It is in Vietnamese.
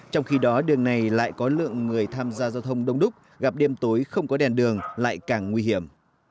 trong khi đó đường này lại có lượng người tham gia giao thông đông đúc gặp đêm tối không có đèn đường lại càng nguy hiểm